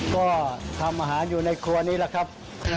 ก็ทำอาหารอยู่ในครัวนี้แหละครับ